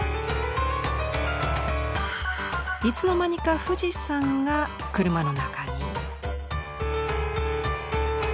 いつの間にか富士山が車の中に。